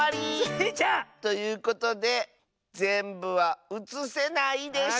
スイちゃん！ということでぜんぶはうつせないでした！